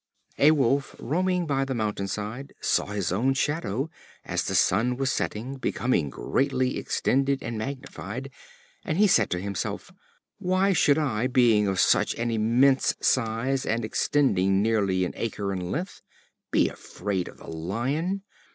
A Wolf, roaming by the mountain's side, saw his own shadow, as the sun was setting, become greatly extended and magnified, and he said to himself: "Why should I, being of such an immense size, and extending nearly an acre in length, be afraid of the Lion?